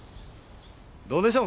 どうでしょう？